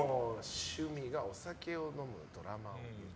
趣味がお酒を飲むドラマを見る。